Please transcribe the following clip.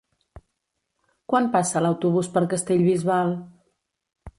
Quan passa l'autobús per Castellbisbal?